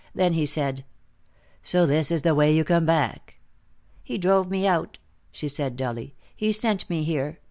Then he said: "So this is the way you come back." "He drove me out," she said dully. "He sent me here.